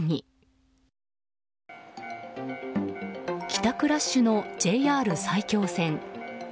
帰宅ラッシュのＪＲ埼京線。